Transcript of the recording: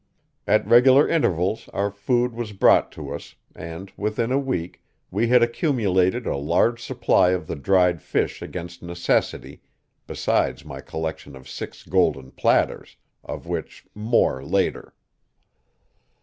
At regular intervals our food was brought to us, and within a week we had accumulated a large supply of the dried fish against necessity, besides my collection of six golden platters, of which more later.